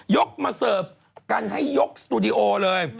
กมาเสิร์ฟกันให้ยกสตูดิโอเลย